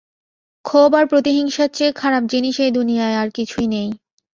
ক্ষোভ আর প্রতিহিংসার চেয়ে খারাপ জিনিস এই দুনিয়ায় আর কিছুই নেই।